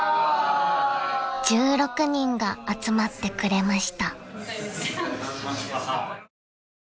［１６人が集まってくれました］